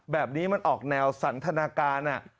แบบนี้มันออกแนวสันทนาการ